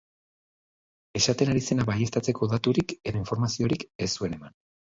Esaten ari zena baieztatzeko daturik edo informaziorik ez zuen eman.